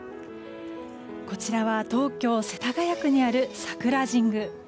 こちらは東京・世田谷区にある桜神宮。